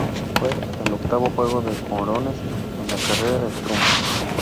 Fue el octavo juego de jonrones en la carrera de Trumbo.